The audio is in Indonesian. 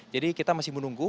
jadi kita masih menunggu